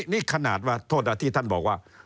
นี่ขนาดว่าโทษที่ท่านบอกว่า